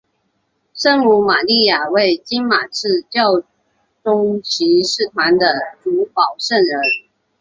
圣母玛利亚为金马刺教宗骑士团的主保圣人。